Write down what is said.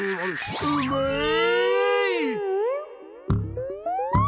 うまい！